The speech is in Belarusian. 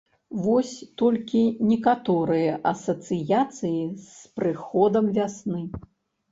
Вось толькі некаторыя асацыяцыі з прыходам вясны.